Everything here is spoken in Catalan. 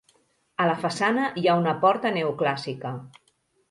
A la façana hi ha una porta neoclàssica.